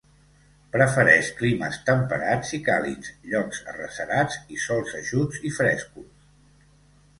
Prefereix climes temperats i càlids, llocs arrecerats i sòls eixuts i frescos.